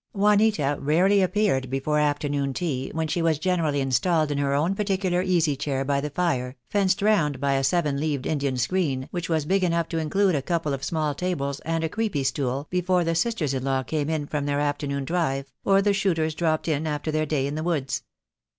Juanita rarely appeared before afternoon tea, when she was generally installed in her own particular easy chair by the fire, fenced round by a seven leaved Indian screen, which was big enough to include a couple of small tables and a creepie stool, before the sisters in law came in from their afternoon drive, or the shooters drop ped in after their day in the woods.